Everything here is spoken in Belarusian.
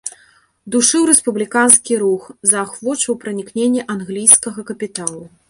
Душыў рэспубліканскі рух, заахвочваў пранікненне англійскага капіталу.